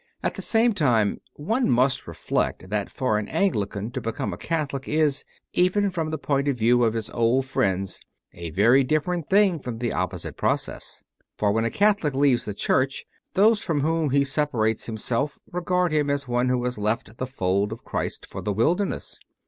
At the same time one must reflect that for an Anglican to become a Catholic is, even from the point of view of his old friends, a very different thing from the opposite process. For when a Catholic leaves the Church, those from whom he separates himself regard him as one who has left the Fold of Christ for the wilderness.